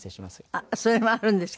あっそれもあるんですか？